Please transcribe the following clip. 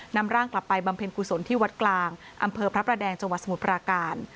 นำร่างกลับไปบำเพ็ญกุศลที่วัดกลางอำเภอพระประแดงจังหวัดสมุทรปราการ